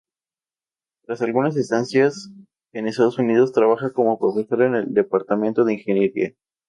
Tras algunas estancias en Estados Unidos trabaja como profesor en el Departamento de Ingeniería.